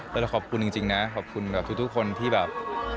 แต่เราขอบคุณจริงนะขอบคุณกับทุกคนที่แบบ